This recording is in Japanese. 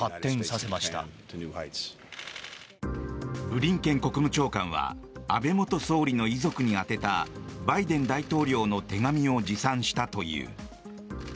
ブリンケン国務長官は安倍元総理の遺族に宛てたバイデン大統領の手紙を持参したという。